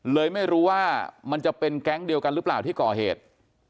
เลยไม่รู้ว่ามันจะเป็นแก๊งเดียวกันหรือเปล่าที่ก่อเหตุ